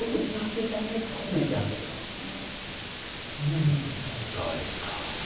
菊之助さんいかがですか？